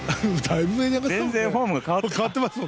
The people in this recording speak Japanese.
全然、フォーム変わってたもん